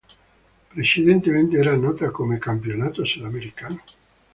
Precedentemente era nota come "Campionato Sudamericano".